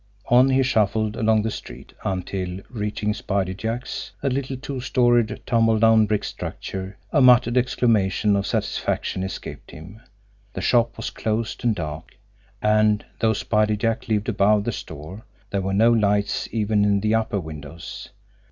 On he shuffled along the street, until, reaching Spider Jack's, a little two storied, tumble down brick structure, a muttered exclamation of satisfaction escaped him. The shop was closed and dark; and, though Spider Jack lived above the store, there were no lights even in the upper windows.